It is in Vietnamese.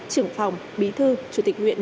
trưởng phòng bí thư chủ tịch huyện